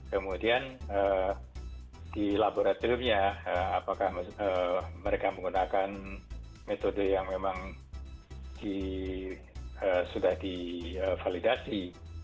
kemudian di laboratoriumnya apakah mereka menggunakan metode yang memang sudah divalidasi